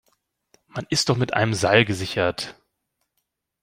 Man ist doch mit einem Seil gesichert!